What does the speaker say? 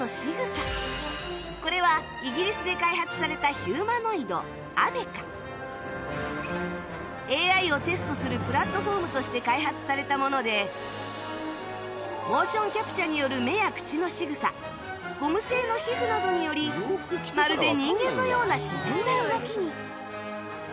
これはイギリスで開発されたＡＩ をテストするプラットフォームとして開発されたものでモーションキャプチャーによる目や口のしぐさゴム製の皮膚などによりまるで人間のような自然な動きに